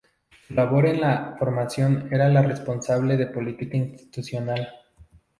Su labor en la formación era la de responsable de política institucional.